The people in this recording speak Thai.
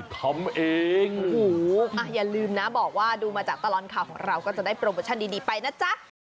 ตลอดข่าวของเราก็จะได้โปรโมชั่นดีไปนะจ๊ะ